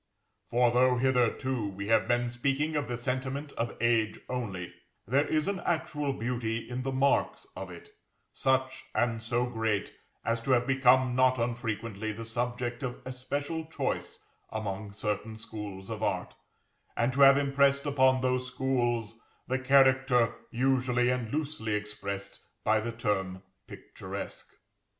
For though, hitherto, we have been speaking of the sentiment of age only, there is an actual beauty in the marks of it, such and so great as to have become not unfrequently the subject of especial choice among certain schools of art, and to have impressed upon those schools the character usually and loosely expressed by the term "picturesque."